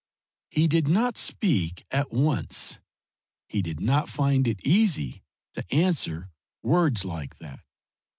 He did not speak at once. He did not find it easy to answer words like that.